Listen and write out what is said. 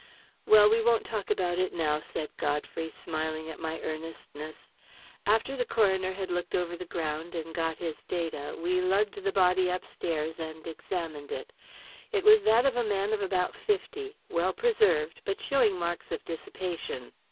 "Well, we won't talk about it now," said Godfrey, smiling at my earnestness. "After the coroner had looked over the ground and got his data, we lugged the body upstairs and examined it. It was that of a man of about fifty, well preserved, but showing marks of dissipation.